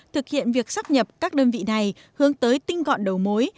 thực hiện việc sắp nhập các đơn vị này hướng tới tinh gọn đầu mối